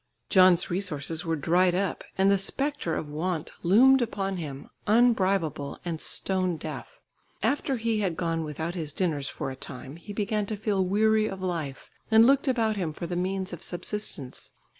John's resources were dried up, and the spectre of want loomed upon him, unbribeable and stone deaf. After he had gone without his dinners for a time, he began to feel weary of life, and looked about him for the means of subsistence.